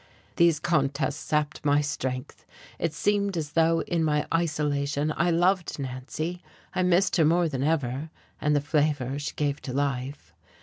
These contests sapped my strength. It seemed as though in my isolation I loved Nancy, I missed her more than ever, and the flavour she gave to life.